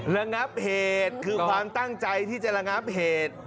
ระงับเหตุคือความตั้งใจที่จะระงับเหตุ